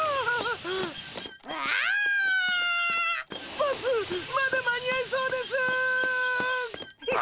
バスまだ間に合いそうです！